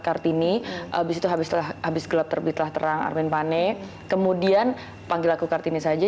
kartini habis itu habislah habis gelap terbitlah terang armin pane kemudian panggil aku kartini saja